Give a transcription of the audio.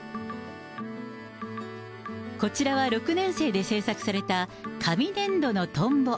こちらは６年生で制作された、紙粘土のトンボ。